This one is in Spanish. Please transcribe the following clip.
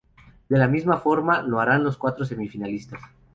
De la misma forma lo harán los cuatro semifinalistas.